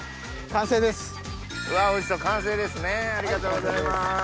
完成です。